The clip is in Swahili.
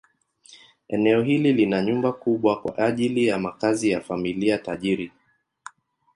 Eneo hili lina nyumba kubwa kwa ajili ya makazi ya familia tajiri.